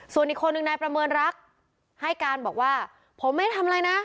ส่วนอีกคนนึงนายประเมินรักให้การบอกว่าผมไม่ได้ทำอะไรนะ